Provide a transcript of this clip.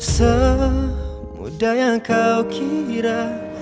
semudah yang kau kira